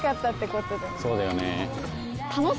そうだよね。